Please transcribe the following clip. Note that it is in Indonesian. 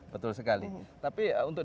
betul sekali tapi untuk